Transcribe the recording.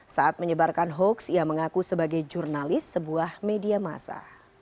saat menyebarkan hoax ia mengaku sebagai jurnalis sebuah media masa